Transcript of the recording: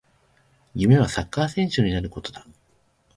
夢はサッカー選手になることだ